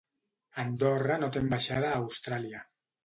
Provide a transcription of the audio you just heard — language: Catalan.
Andorra no té ambaixada a Austràlia.